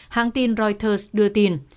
hãng tin reuters đưa tin